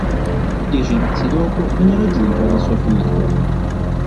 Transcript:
Dieci mesi dopo venne raggiunto dalla sua famiglia.